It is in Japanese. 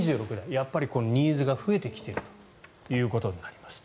やっぱりニーズが増えてきているということになります。